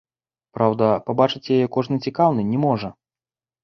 Праўда, пабачыць яе кожны цікаўны не можа.